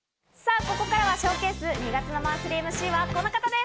ここからはＳＨＯＷＣＡＳＥ、２月のマンスリーＭＣはこの方です！